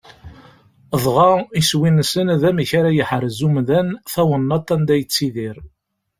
Dɣa, iswi-nsen d amek ara yeḥrez umdan tawennaḍt anda yettidir.